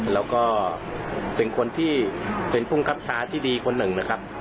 แล้วก็เป็นคนที่เป็นภูมิคับชาที่ดีคนหนึ่งนะครับ